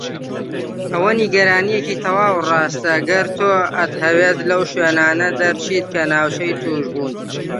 ئەوە نیگەرانیەکی تەواو ڕاستەگەر تۆ ئەتهەویت لەو شوێنانە دەرچیت کە ناوچەی توشبوون.